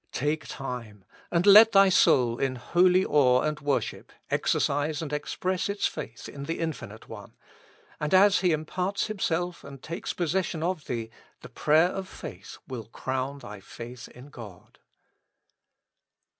Take time, and let thy soul in holy awe and worship exercise and express its faith in the Infinite One, and as He imparts Himself and takes possession of thee the prayer of faith will crown thy faith in God.